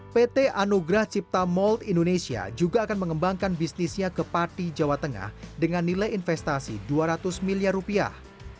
pt anugrah cipta molt indonesia juga akan mengembangkan bisnisnya ke pati jawa tengah dengan nilai investasi dua ratus miliar rupiah